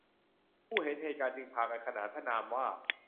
ผู้ที่เห็นเหตุการณ์จึงพากันขนานพระนามว่า